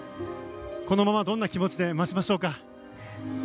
このままどんな気持ちで待ちましょうか？